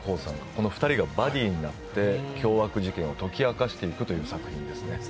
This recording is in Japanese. この２人がバディになって凶悪事件を解き明かしていくという作品ですね。